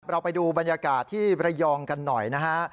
เราไปดูบรรยากาศที่ระยองกันหน่อยนะฮะ